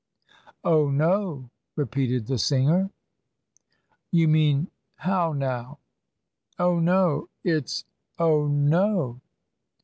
"Oh no," repeated the singer. "You mean h o w n o w?" "Oh no; it's o h n o."